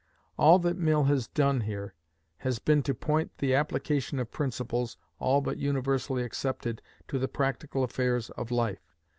All that Mill has done here has been to point the application of principles all but universally accepted to the practical affairs of life.